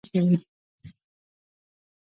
ویده روح هم یو سفر کوي